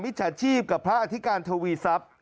จฉาชีพกับพระอธิการทวีทรัพย์